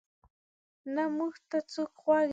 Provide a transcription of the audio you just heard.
نه موږ ته څوک غوږ نیسي.